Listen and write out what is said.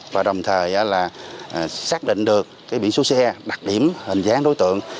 và đồng thời là xác định được biển số xe đặc điểm hình dáng đối tượng